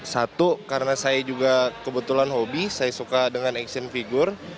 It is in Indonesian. satu karena saya juga kebetulan hobi saya suka dengan action figure